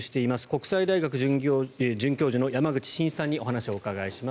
国際大学准教授の山口真一さんにお話をお伺いします。